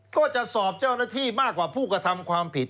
ก็จะสอบเจ้าหน้าที่มากกว่าผู้กระทำความผิด